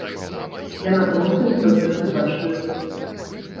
Яна проста не заўсёды бачная.